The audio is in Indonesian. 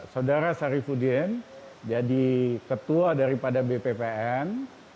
saudara sarifudien jadi ketua daripada bppn